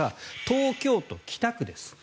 東京都北区です。